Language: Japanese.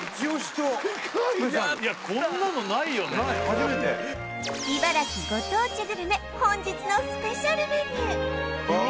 初めて茨城ご当地グルメ本日のスペシャルメニューうわ